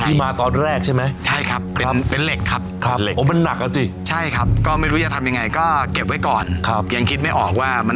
ที่มาตอนแรกใช่ไหมใช่ครับครับ